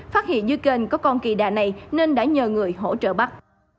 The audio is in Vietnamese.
phát hiện dưới kênh có con kỳ đà này nên đã nhờ người hỗ trợ bắt